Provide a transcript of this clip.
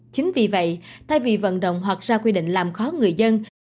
chính vì vậy thay vì vận động hoặc ra quy định làm khó người dân